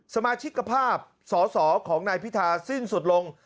สมาชิกภาพสอสอของนายพิธาสิ้นสุดลง